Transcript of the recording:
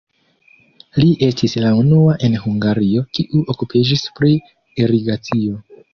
Li estis la unua en Hungario, kiu okupiĝis pri irigacio.